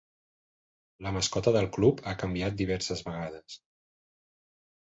La mascota del club ha canviat diverses vegades.